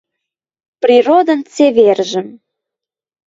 Природын цевержӹм